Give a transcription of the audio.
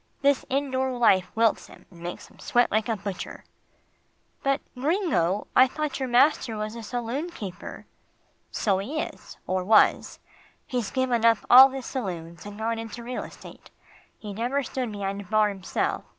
This indoor life wilts him, and makes him sweat like a butcher." "But, Gringo, I thought your master was a saloon keeper?" "So he is, or was. He's given up all his saloons, and gone into real estate. He never stood behind a bar himself.